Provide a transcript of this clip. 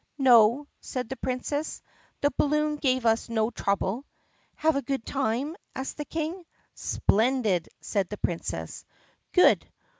"No," said the Princess, "the balloon gave us no trouble." "Have a good time?" asked the King. "Splendid!" said the Princess. "Good.